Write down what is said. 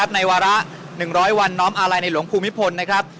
ในวาระน้อมอารายในหลวงภูมิภนนี้